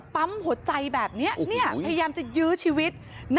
ปั๊มหัวใจแบบนี้พยายามจะยื้อชีวิต